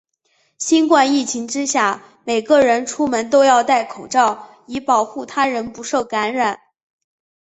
新冠疫情之下，每个人出门都要带口罩，以保护他人不受感染。